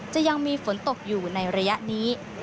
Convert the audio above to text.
จะยังมีฝนตกอยู่ในอย่างไร้นี้